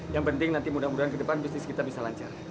yang penting nanti mudah mudahan ke depan bisnis kita bisa lancar